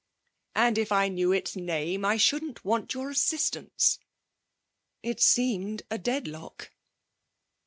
'And if I knew its name I shouldn't want your assistance.' It seemed a deadlock.